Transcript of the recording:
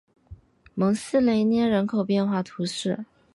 蒙西雷涅人口变化图示